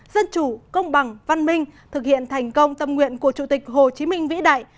dân chủ công bằng văn minh thực hiện thành công tâm nguyện của chủ tịch hồ chí minh vĩ đại